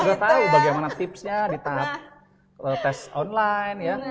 kita tahu bagaimana tipsnya di tahap tes online ya